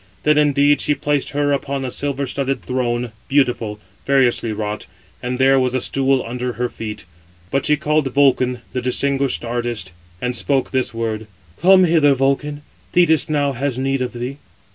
Then indeed she placed her upon a silver studded throne, beautiful, variously wrought, and there was a stool under her feet. But she called Vulcan, the distinguished artist, and spoke this word: "Come hither, Vulcan, Thetis now has need of thee."